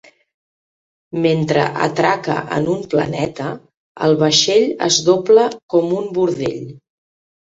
Mentre atraca en un planeta, el vaixell es dobla com un bordell.